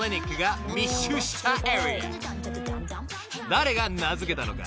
［誰が名付けたのか］